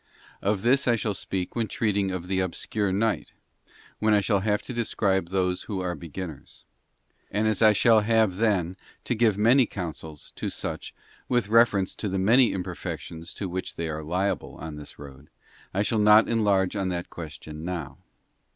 Of this I shall speak when treating of the obscure night, when I shall have to describe those who are beginners. And as I shall have then to give many counsels to such with reference to the many imperfections to which they are liable on this road, I shall not enlarge on that question now.